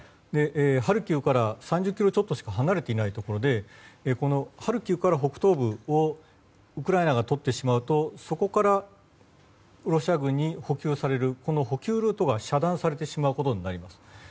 ハルキウから３０ｋｍちょっとしか離れていないところでハルキウから北東部をウクライナがとってしまうとそこからロシア軍に補給される補給ルートが遮断されてしまうことになります。